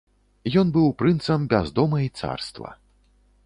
Ён быў прынцам без дома і царства.